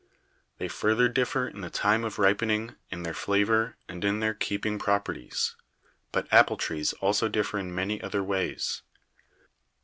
They further differ in the time of ripening, in their flavor, and in their keeping properties ; but apple trees also differ in many other ways.